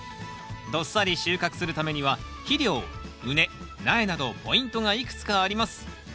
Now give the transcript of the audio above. どっさり収穫するためには肥料畝苗などポイントがいくつかあります。